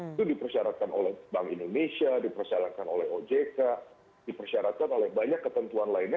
itu dipersyaratkan oleh bank indonesia dipersyaratkan oleh ojk dipersyaratkan oleh banyak ketentuan lainnya